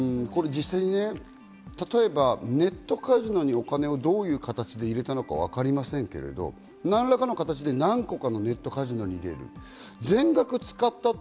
実際、例えばネットカジノにお金をどういう形で入れたのかわかりませんけど、何らかの形で何個かのネットカジノに入れる。